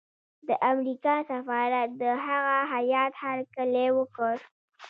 د امریکا سفارت د هغه هیات هرکلی وکړ.